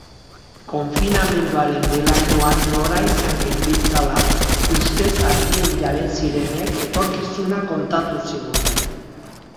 Konfinamenduaren behelainoan noraezean genbiltzala, ustez argien jabe zirenek etorkizuna kontatu ziguten.